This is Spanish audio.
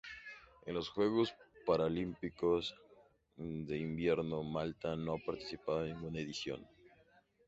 En los Juegos Paralímpicos de Invierno Malta no ha participado en ninguna edición.